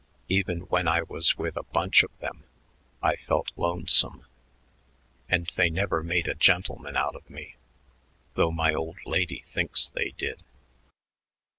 Even when I was with a bunch of them, I felt lonesome.... And they never made a gentleman out of me, though my old lady thinks they did."